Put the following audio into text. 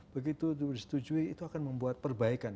begitu disetujui itu akan membuat perbaikan